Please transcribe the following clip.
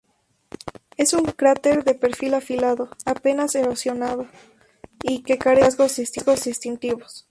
Es un cráter de perfil afilado, apenas erosionado y que carece de rasgos distintivos.